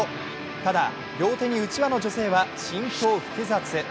ただ両手にうちわの女性は心境複雑。